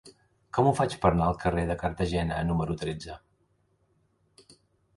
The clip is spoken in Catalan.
Com ho faig per anar al carrer de Cartagena número tretze?